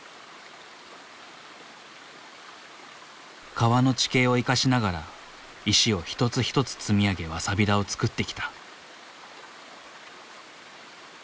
川の地形を生かしながら石を一つ一つ積み上げわさび田を作ってきた。